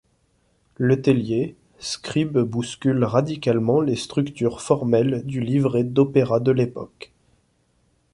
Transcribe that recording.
Letellier, Scribe bouscule radicalement les structures formelles du livret d’opéra de l’époque.